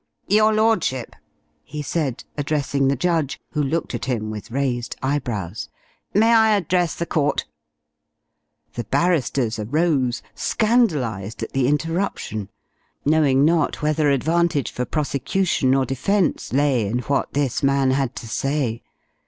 "Your Lordship," he said, addressing the judge, who looked at him with raised eyebrows, "may I address the court?" The barristers arose, scandalized at the interruption, knowing not whether advantage for prosecution or defence lay in what this man had to say.